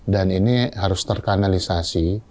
dan ini harus terkanalisasi